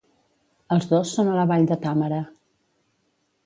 Els dos són a la vall de Támara.